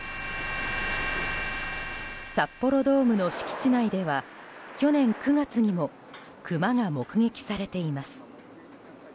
札幌ドームの敷地内では去年９月にもクマが目撃されています。